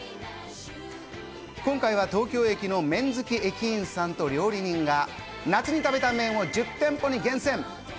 今回は東京駅の麺好き駅員さんと料理人が夏に食べたい麺を１０店舗に厳選！